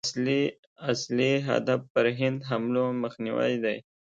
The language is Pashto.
اصلي هدف پر هند حملو مخنیوی دی.